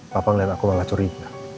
papa melihat aku malah curiga